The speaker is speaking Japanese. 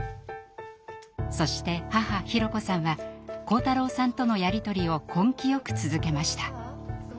そして母裕子さんは晃太郎さんとのやり取りを根気よく続けました。